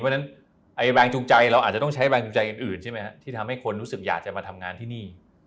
เพราะฉะนั้นแรงจูงใจเราอาจจะต้องใช้แรงจูงใจอื่นใช่ไหมครับที่ทำให้คนรู้สึกอยากจะมาทำงานที่นี่